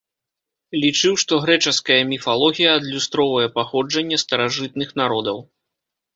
Лічыў, што грэчаская міфалогія адлюстроўвае паходжанне старажытных народаў.